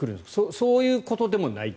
そういうことでもないと？